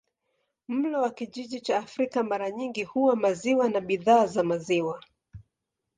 Mlo wa kijiji cha Afrika mara nyingi huwa maziwa na bidhaa za maziwa.